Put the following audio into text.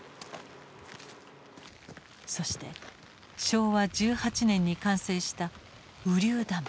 そして昭和１８年に完成した雨竜ダム。